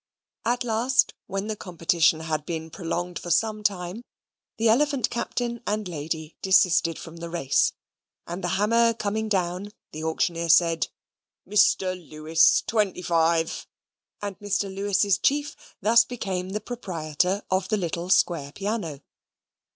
At last, when the competition had been prolonged for some time, the elephant captain and lady desisted from the race; and the hammer coming down, the auctioneer said: "Mr. Lewis, twenty five," and Mr. Lewis's chief thus became the proprietor of the little square piano.